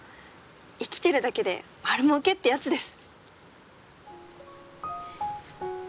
生きてるだけで丸もうけってやつです。